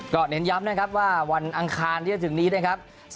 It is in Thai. ก็เน้นย้ำนะครับว่าวันอังคารที่จะถึงนี้นะครับ